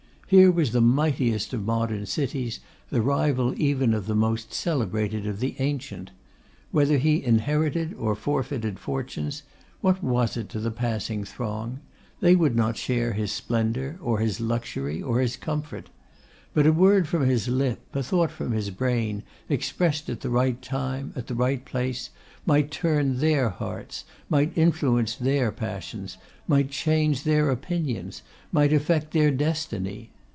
Here was the mightiest of modern cities; the rival even of the most celebrated of the ancient. Whether he inherited or forfeited fortunes, what was it to the passing throng? They would not share his splendour, or his luxury, or his comfort. But a word from his lip, a thought from his brain, expressed at the right time, at the right place, might turn their hearts, might influence their passions, might change their opinions, might affect their destiny.